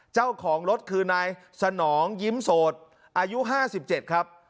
เจ้าของรถคือนายสนองยิ้มโสดอายุ๕๗ครับ